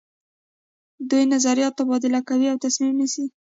دوی نظریات تبادله کوي او تصمیم نیسي.